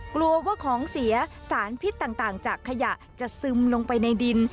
กลัวว่าของเสียสารพิษต่างจากขยะจะซึมลงไปในดิน